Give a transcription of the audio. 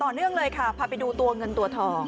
เนื่องเลยค่ะพาไปดูตัวเงินตัวทอง